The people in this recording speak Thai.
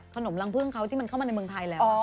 ขนมรังพึ่งเขาที่มันเข้ามาในเมืองไทยแล้ว